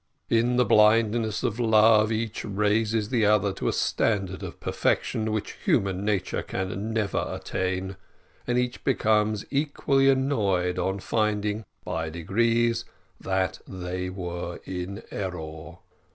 In the blindness of love, each raises the other to a standard of perfection which human nature can never attain, and each becomes equally annoyed on finding, by degrees, that they were in error.